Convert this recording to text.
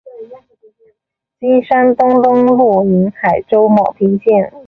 金山东东路宁海州牟平县。